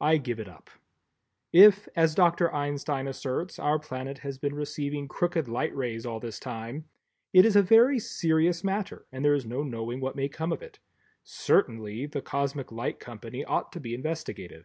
I give it up. If, as Dr. Einstein asserts, our planet has been receiving crooked light rays all this time, it is a very serious matter and there is no knowing what may come of it; certainly the Cosmic Light Company ought to be investigated.